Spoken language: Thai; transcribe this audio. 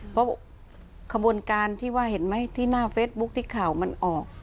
เพราะขบวนการที่ว่าเห็นไหมที่หน้าเฟซบุ๊คที่ข่าวมันออก